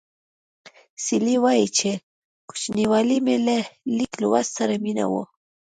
سیلۍ وايي چې له کوچنیوالي مې له لیک لوست سره مینه وه